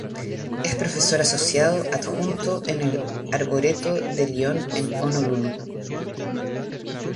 Es profesor asociado adjunto en el arboreto de Lyon en Honolulu.